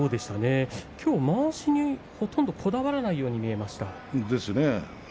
きょうの竜電はまわしにこだわらないように見えました。